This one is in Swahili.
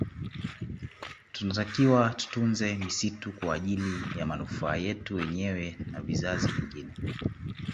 Tunatakiwa tutunze misitu kwa ajili ya manufaa yetu wenyewe na vizazi vingine